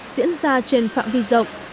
diễn ra trên phạm vi rộng